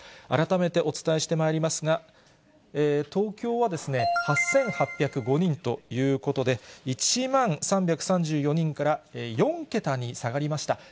改めてお伝えしてまいりますが、東京は８８０５人ということで、１万３３４人から４桁に下がりました。